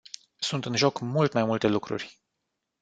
Sunt în joc mult mai multe lucruri.